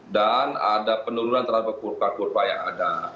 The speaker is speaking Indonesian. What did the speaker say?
dan ada penurunan terhadap kurpa kurpa yang ada